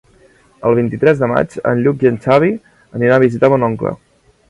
El vint-i-tres de maig en Lluc i en Xavi aniran a visitar mon oncle.